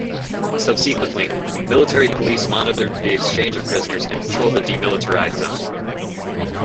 Subsequently, Military Police monitored the exchange of prisoners and patrolled the demilitarized zone.